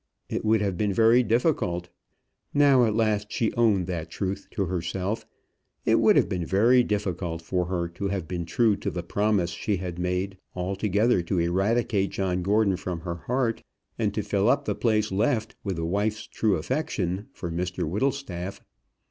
It would have been very difficult, now at last she owned that truth to herself, it would have been very difficult for her to have been true to the promise she had made, altogether to eradicate John Gordon from her heart, and to fill up the place left with a wife's true affection for Mr Whittlestaff.